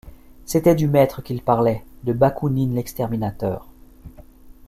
C’était du maître qu’il parlait, de Bakounine l’exterminateur.